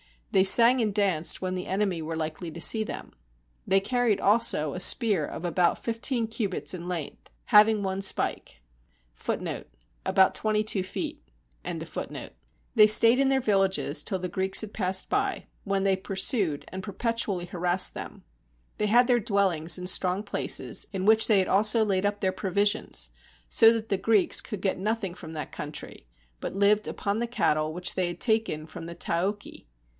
They sang and danced when the enemy were likely to see them. They carried also a spear of about fifteen cubits^ in length, having one spike. They stayed in their villages till the Greeks had passed by, when they pursued and perpetually harassed them. They had their dwellings in strong places, in which they had also laid up their provisions, so that the Greeks could get nothing from that country, but lived upon the cattle which they had taken from the Taochi.